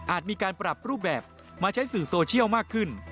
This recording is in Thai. มีการปรับรูปแบบมาใช้สื่อโซเชียลมากขึ้น